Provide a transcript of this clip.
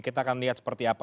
kita akan lihat seperti apa